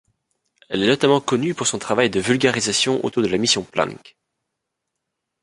Elle est notamment connue pour son travail de vulgarisation autour de la mission Plank.